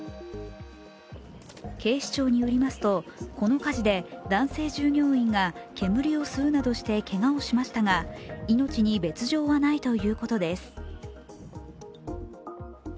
警視庁によりますとこの火事で男性従業員が煙を吸うなどしてけがをしましたが、命に別状はないということです。